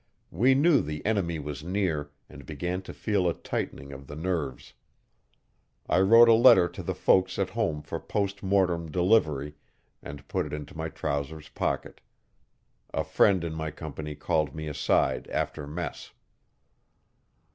We knew the enemy was near, and began to feel a tightening of the nerves. I wrote a letter to the folks at home for post mortem delivery, and put it into my trousers pocket. A friend in my company called me aside after mess.